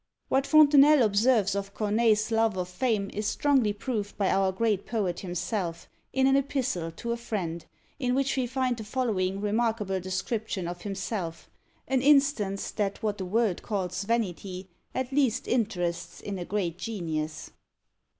What Fontenelle observes of Corneille's love of fame is strongly proved by our great poet himself, in an epistle to a friend, in which we find the following remarkable description of himself; an instance that what the world calls vanity, at least interests in a great genius.